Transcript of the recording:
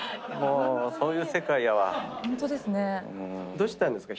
どうしたんですか？